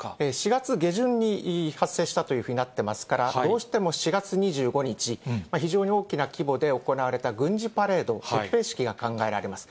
４月下旬に発生したというふうになっていますから、どうしても４月２５日、非常に大きな規模で行われた軍事パレード、閲兵式が考えられます。